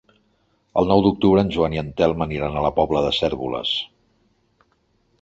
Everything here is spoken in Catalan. El nou d'octubre en Joan i en Telm aniran a la Pobla de Cérvoles.